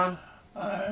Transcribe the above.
はい。